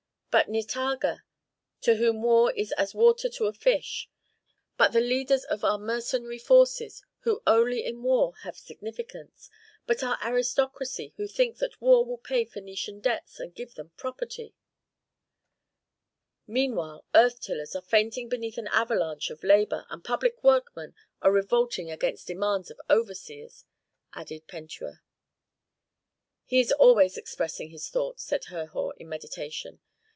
But Nitager, to whom war is as water to a fish; but the leaders of our mercenary forces, who only in war have significance; but our aristocracy, who think that war will pay Phœnician debts and give them property " "Meanwhile earth tillers are fainting beneath an avalanche of labor, and public workmen are revolting against demands of overseers," added Pentuer. "He is always expressing his thought!" said Herhor, in meditation.